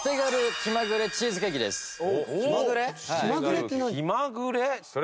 気まぐれ？